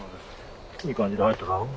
いい感じで入っただろう？